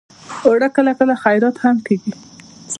اوړه کله کله خیرات هم کېږي